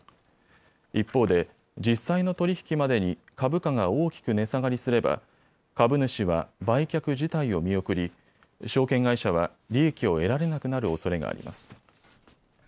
一方で実際の取り引きまでに株価が大きく値下がりすれば株主は売却自体を見送り証券会社は利益を得られなくなるおそれがあります。